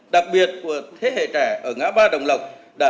đặc biệt của thế hệ trẻ ở ngã ba đồng lộc